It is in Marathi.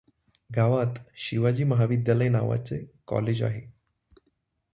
गावात शिवाजी महाविद्यालय नावाचे कॉलेज आहे.